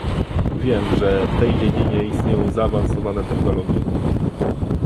Wiem, że w tej dziedzinie istnieją zaawansowane technologie